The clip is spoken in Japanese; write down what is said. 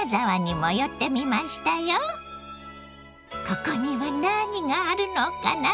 ここには何があるのかな？